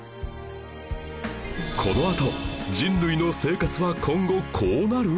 このあと人類の生活は今後こうなる！？